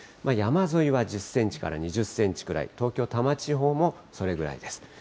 山沿いは１０センチから２０センチぐらい、東京、多摩地方もそれぐらいです。